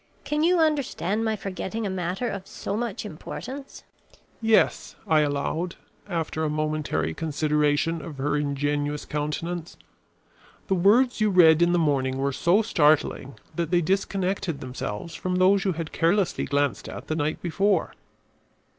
Can you understand my forgetting a matter of so much importance?" "Yes," I allowed, after a momentary consideration of her ingenuous countenance. "The words you read in the morning were so startling that they disconnected themselves from those you had carelessly glanced at the night before."